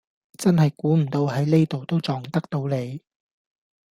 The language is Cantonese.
真係估唔到喺呢度都撞得到你